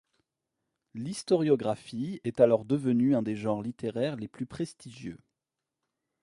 L’historiographie est alors devenue un des genres littéraires les plus prestigieux.